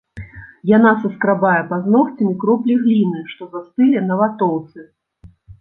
Яна саскрабае пазногцямі кроплі гліны, што застылі на ватоўцы.